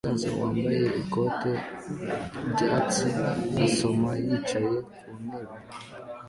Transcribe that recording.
Umusaza wambaye ikote ryatsi asoma yicaye ku ntebe